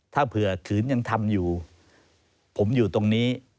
ถ้าเผื่อขืนยังทำอยู่ผมอยู่ตรงนี้